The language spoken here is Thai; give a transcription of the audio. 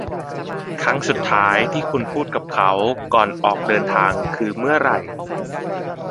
ครั้งสุดท้ายที่คุณพูดกับเขาก่อนออกเดินทางคือเมื่อไหร่ ?